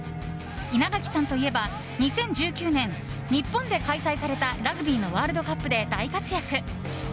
稲垣さんといえば、２０１９年日本で開催されたラグビーのワールドカップで大活躍。